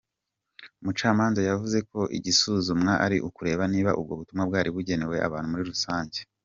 Umucamanza yavuze ko igisuzumwa ari ukureba niba ubwo butumwa bwari bugenewe abantu muri rusange.